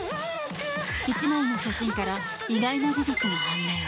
１枚の写真から意外な事実が判明。